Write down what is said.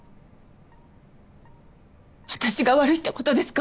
私が悪いってことですか？